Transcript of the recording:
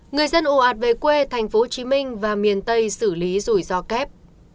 người dân ồ ạt về quê tp hcm và miền tây xử lý rủi ro kép